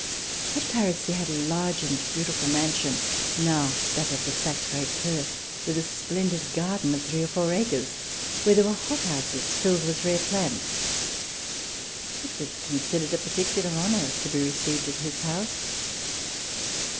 At Paris he had a large and beautiful mansion, now that of the Sacre Coeur, with a splendid garden of three or four acres where there were hothouses filled with rare plants. It was considered a particular honor to be received at his house.